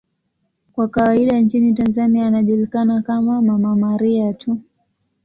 Kwa kawaida nchini Tanzania anajulikana kama 'Mama Maria' tu.